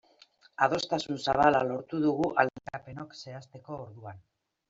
Adostasun zabala lortu dugu aldarrikapenok zehazteko orduan.